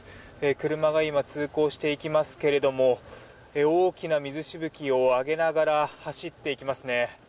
車が今通行していきますけれども大きな水しぶきを上げながら走っていきますね。